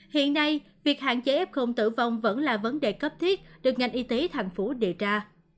hiện nay việc hạn chế ép không tử vong vẫn là vấn đề cấp thiết được ngành y tế tp hcm đề ra